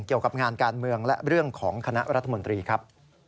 เกี่ยวกับงานการเมืองและเรื่องของคณะรัฐมนตรีครับ